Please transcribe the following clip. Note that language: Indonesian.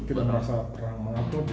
kita merasa terang mengupload